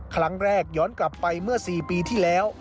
ครั้งแรกย้อนกลับไปเมื่อ๔ปีที่แล้ว